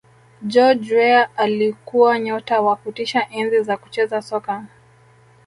george Weah alikuwa nyota wa kutisha enzi za kucheza soka